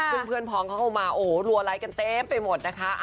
ซึ่งเพื่อนพร้อมเขาก็มาโอ้โหรัวไลค์กันเต็มไปหมดนะคะ